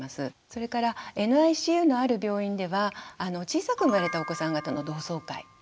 それからＮＩＣＵのある病院では小さく生まれたお子さん方の同窓会とか。